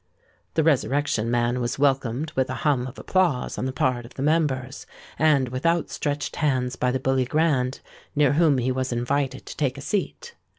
The Resurrection Man was welcomed with a hum of applause on the part of the members, and with out stretched hands by the Bully Grand near whom he was invited to take a seat.